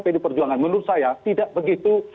pd perjuangan menurut saya tidak begitu